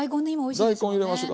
大根入れましょか。